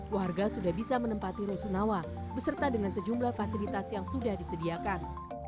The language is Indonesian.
warga sudah bisa menempati rusunawa beserta dengan sejumlah fasilitas yang sudah disediakan